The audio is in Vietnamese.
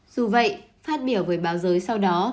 dù vậy phát biểu với báo giới sau đó